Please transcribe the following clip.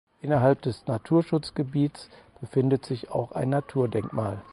Innerhalb des Naturschutzgebiets befindet sich auch ein Naturdenkmal.